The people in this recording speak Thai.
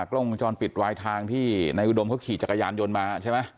กล้องวงจรปิดวายทางที่นายอุดมเขาขี่จักรยานยนต์มาใช่ไหม